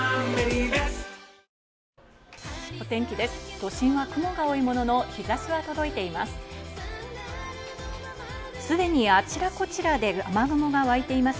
都心は雲が多いものの、日差しは届いています。